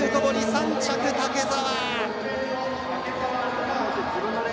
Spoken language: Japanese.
３着、竹澤。